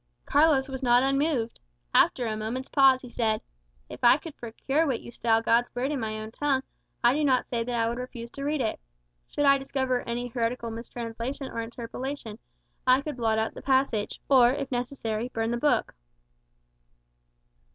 Carlos was not unmoved. After a moment's pause he said, "If I could procure what you style God's Word in my own tongue, I do not say that I would refuse to read it. Should I discover any heretical mistranslation or interpolation, I could blot out the passage; or, if necessary, burn the book."